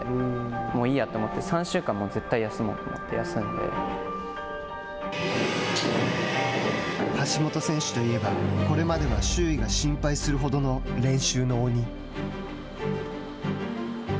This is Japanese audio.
もういいやって思って３週間、絶対休もうと思って橋本選手といえば、これまでは周囲が心配するほどの練習の鬼。